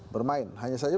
bermain hanya saja